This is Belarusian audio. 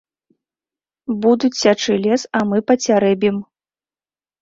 Будуць сячы лес, а мы пацярэбім.